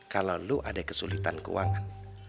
kalo lu ada kesulitan keuangan